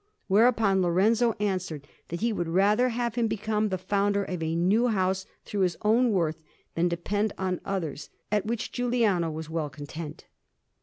Whereupon Lorenzo answered that he would rather have him become the founder of a new house through his own worth, than depend on others; at which Giuliano was well content.